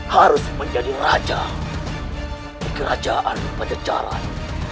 harus menjadi raja di kerajaan pada jalan